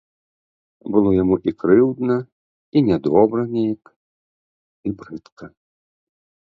Было яму і крыўдна, і нядобра нейк, і брыдка.